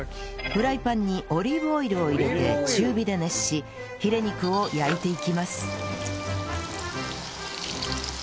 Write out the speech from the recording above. フライパンにオリーブオイルを入れて中火で熱しヒレ肉を焼いていきます